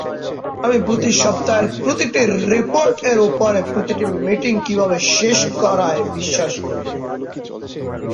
আমি প্রতি সপ্তাহের প্রতিটি রিপোর্ট এর উপরের প্রতিটি মিটিং ঠিকভাবে শেষ করায় বিশ্বাস করি।